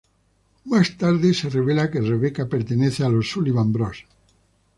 Más tarde se revela que Rebecca pertenece a los Sullivan Bros.